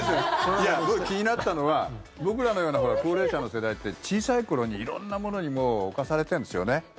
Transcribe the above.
いや、気になったのは僕らのような高齢者の世代って小さい頃に色んなものにもう侵されてるんですよね。